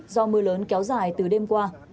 do mưa lớn kéo dài từ đêm qua